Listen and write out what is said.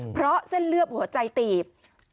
เพราะเส้นเลือดหัวใจตีบ